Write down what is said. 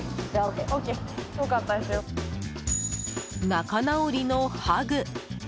仲直りのハグ。